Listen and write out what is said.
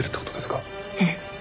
ええ。